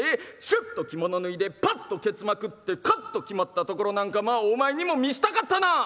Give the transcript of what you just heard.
シュッと着物脱いでパッとケツまくってカッと決まったところなんかまあお前にも見したかったなあ」。